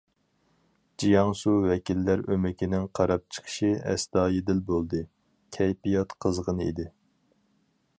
جياڭسۇ ۋەكىللەر ئۆمىكىنىڭ قاراپ چىقىشى ئەستايىدىل بولدى، كەيپىيات قىزغىن ئىدى.